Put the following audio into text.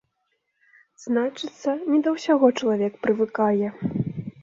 Значыцца, не да ўсяго чалавек прывыкае.